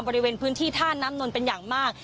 บริเวณพื้นที่ท่าน้ำนนท์เป็นอย่างมาก